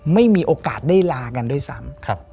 ไม่มีโอกาสได้ลากันด้วยซ้ำ